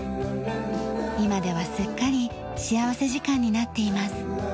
今ではすっかり幸福時間になっています。